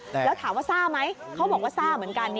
แล้วถามว่าซ่าไหมเขาบอกว่าซ่าเหมือนกัน